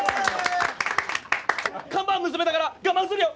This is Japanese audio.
看板娘だから我慢するよ！